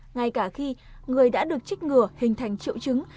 ngay cả khi người đã được trích ngừa hình thành triệu chứng